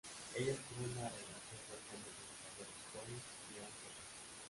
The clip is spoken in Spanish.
Ella tuvo una relación cercana con sus abuelos, Hollis y Ann Peek.